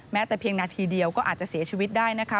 แต่เพียงนาทีเดียวก็อาจจะเสียชีวิตได้นะคะ